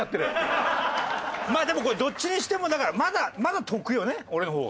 まあでもこれどっちにしてもだからまだ得よね俺の方が。